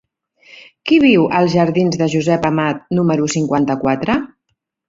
Qui viu als jardins de Josep Amat número cinquanta-quatre?